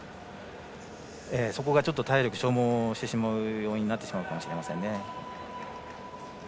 そこがちょっと体力を消耗してしまう要因になってしまうかもしれませんね。